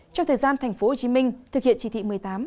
trong thời gian tp hcm thực hiện chỉ thị một mươi tám